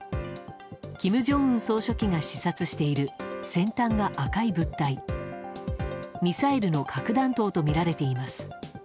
金正恩総書記が視察している先端が赤い物体ミサイルの核弾頭とみられています。